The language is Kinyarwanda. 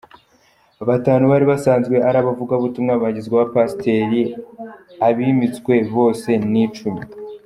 Batanu bari basanzwe ari abavugabutumwa bagizwe Abapasiteri, abimiswe bose bose ni icumi.